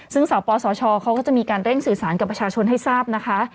ซึ่งสปสชเขาก็จะมีการเร่งสื่อสารกับประชาชนให้ทราบนะคะ